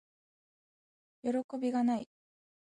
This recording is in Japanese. よろこびがない～